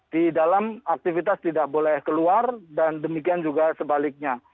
di dalam aktivitas tidak boleh keluar dan demikian juga sebaliknya